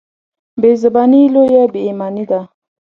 بېزباني لویه بېايماني ده.